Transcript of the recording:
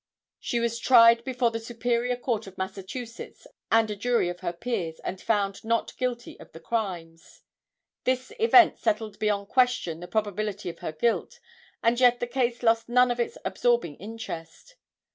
She was tried before the Superior Court of Massachusetts and a jury of her peers and found not guilty of the crimes. This event settled beyond question the probability of her guilt, and yet the case lost none of its absorbing interest.